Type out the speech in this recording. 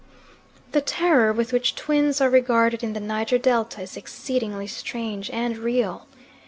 The terror with which twins are regarded in the Niger Delta is exceedingly strange and real.